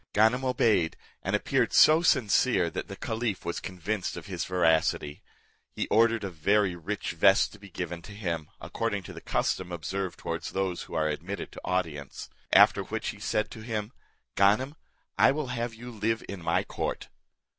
Ganem obeyed, and appeared so sincere, that the caliph was convinced of his veracity. He ordered a very rich vest to be given him, according to the custom observed towards those who are admitted to audience. After which he said to him, "Ganem, I will have you live in my court."